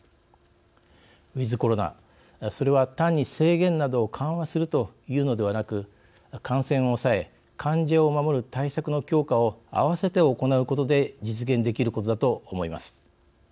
ウィズコロナ、それは単に制限などを緩和するというのではなく感染を抑え、患者を守る対策の強化を併せて行うことで実現できることだと思います。